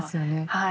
はい。